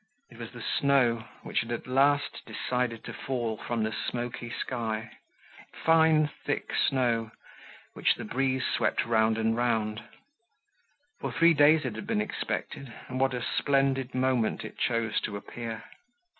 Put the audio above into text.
It was the snow, which had at last decided to fall from the smoky sky—fine thick snow, which the breeze swept round and round. For three days it had been expected and what a splendid moment it chose to appear.